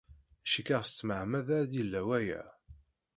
Cikkeɣ s tmeɛmada ay d-yella waya.